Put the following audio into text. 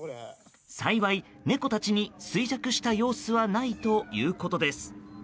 幸い猫たちに衰弱した様子はないということです。